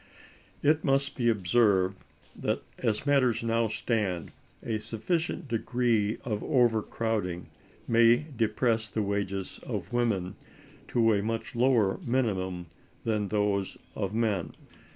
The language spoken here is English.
It must be observed that, as matters now stand, a sufficient degree of overcrowding may depress the wages of women to a much lower minimum than those of men.